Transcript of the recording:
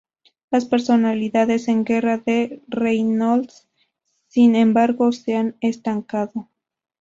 Las personalidades en guerra de Reynolds, sin embargo, se han estancado.